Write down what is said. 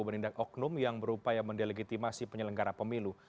menindak oknum yang berupaya mendelegitimasi penyelenggara pemilu